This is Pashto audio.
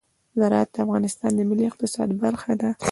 زراعت د افغانستان د ملي اقتصاد برخه ده.